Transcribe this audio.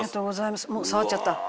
もう触っちゃった。